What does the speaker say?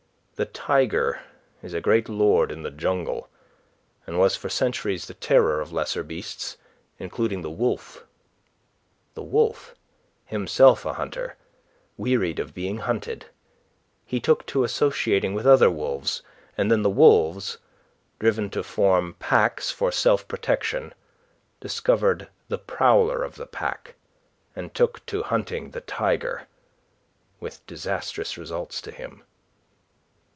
The tiger is a great lord in the jungle, and was for centuries the terror of lesser beasts, including the wolf. The wolf, himself a hunter, wearied of being hunted. He took to associating with other wolves, and then the wolves, driven to form packs for self protection, discovered the power of the pack, and took to hunting the tiger, with disastrous results to him.